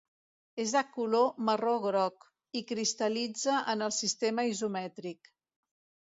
És de color marró-groc, i cristal·litza en el sistema isomètric.